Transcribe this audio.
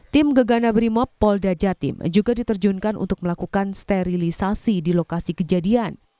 tim gegana brimob polda jatim juga diterjunkan untuk melakukan sterilisasi di lokasi kejadian